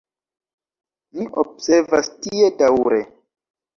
Ni observas tie daŭre.